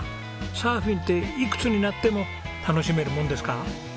サーフィンっていくつになっても楽しめるものですか？